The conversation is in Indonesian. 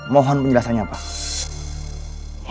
mohon penjelasannya pak